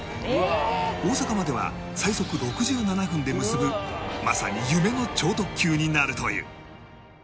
大阪までは最速６７分で結ぶまさに夢の超特急になるという